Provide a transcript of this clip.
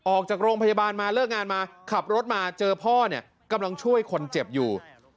ออกจากโรงพยาบาลมาเลิกงานมาขับรถมาเจอพ่อเนี่ยกำลังช่วยคนเจ็บอยู่